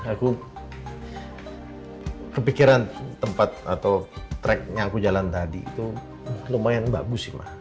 aku kepikiran tempat atau track yang aku jalan tadi itu lumayan bagus sih